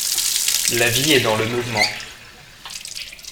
La vie est dans le mouvement.